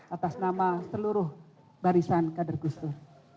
atas nama seluruh barisan kader gusdur